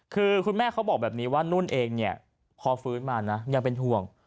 คือคุณแม่เขาบอกแบบนี้ว่านุ่นเองเนี่ยพอฟื้นมานะยังเป็นห่วง